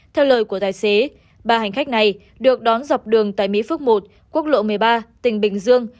theo lời của tài xế ba hành khách này được đón dọc đường tại mỹ phước một quốc lộ một mươi ba tỉnh bình dương